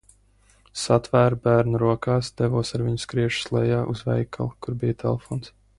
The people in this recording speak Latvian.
Satvēru bērnu rokās, devos ar viņu skriešus lejā uz veikalu, kur bija telefons.